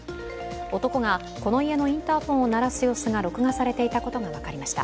男がこの家のインターフォンを鳴らす様子が録画されていたことが分かりました。